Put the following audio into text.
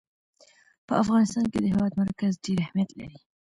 په افغانستان کې د هېواد مرکز ډېر اهمیت لري.